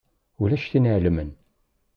Ulac tin i iɛelmen.